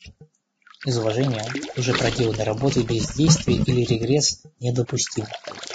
Из уважения к уже проделанной работе бездействие или регресс недопустимы.